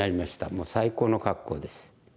もう最高の格好です。